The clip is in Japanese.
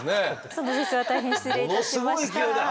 その節は大変失礼いたしました。